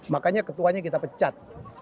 makanya ketuanya kita pecat